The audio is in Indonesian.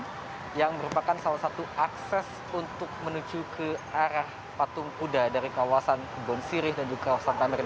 dan saya ingin menyampaikan salah satu akses untuk menuju ke arah patung kuda dari kawasan bonsirih dan juga kawasan tamrin